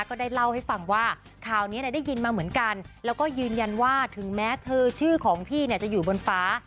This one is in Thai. ก็ได้เล่าให้ฟังว่าข่าวนี้ได้ยินมาเหมือนกันแล้วก็ยืนยันว่าถึงแม้เธอชื่อของพี่เนี่ยจะอยู่บนฟ้า